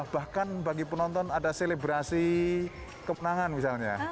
bahkan bagi penonton ada selebrasi kemenangan misalnya